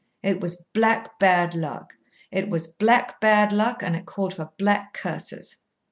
It was black bad luck it was black bad luck, and it called for black curses.